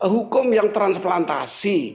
hukum yang transplantasi